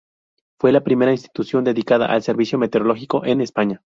Fue la primera institución dedicada al servicio meteorológico en España.